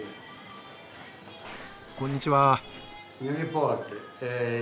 こんにちは。